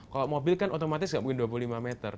kalau mobil kan otomatis nggak mungkin dua puluh lima meter